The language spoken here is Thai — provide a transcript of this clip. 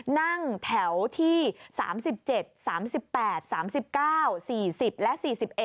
นั่งแถวที่๓๗๓๘๓๙๔๐และ๔๑